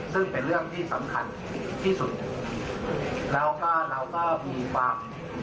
ซึ่งเป็นเรื่องที่สำคัญที่สุดแล้วก็เราก็มีความ